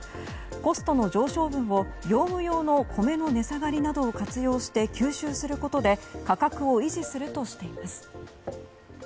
コストの上昇分を業務用の米の値下がりなどを活用して吸収することで価格を維持するとしています。